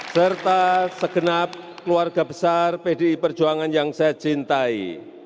serta segenap keluarga besar pdi perjuangan yang saya cintai